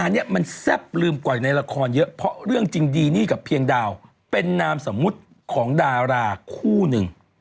ทำไมคุณต้องให้ศ่อนได้อารมณ์